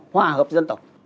hòa hợp dân tộc